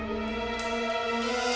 tapi ramai robert bisa